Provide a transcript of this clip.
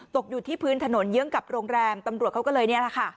อยู่ที่พื้นถนนเยื้องกับโรงแรมตำรวจเขาก็เลยนี่แหละค่ะ